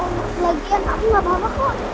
oh lagian aku gak apa apa kok